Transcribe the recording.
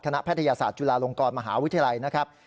แพทยศาสตร์จุฬาลงกรมหาวิทยาลัยนะครับ